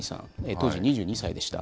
当時２２歳でした。